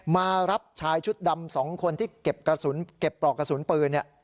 มารับชายชุดดำ๒คนที่เก็บกระสุนเก็บปลอกกระสุนปืนเนี่ย